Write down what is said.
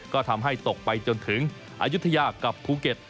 ก็ทำให้ตกไปจนถึงอายุทยากับภูเก็ต